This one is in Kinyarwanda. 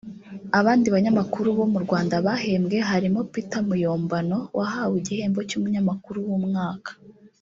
Abandi banyamakuru bo mu Rwanda bahembwe harimo Peter Muyombano wahawe igihembo cy’umunyamakuru w’umwaka